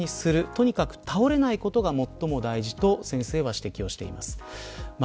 とにかく倒れないことが最も大事と先生は指摘をしています。